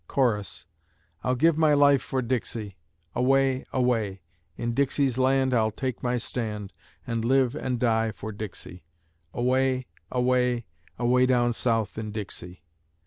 Chorus: I'll give my life for Dixie; Away, away; In Dixie's land I'll take my stand, And live and die for Dixie. Away, away, Away down South in Dixie.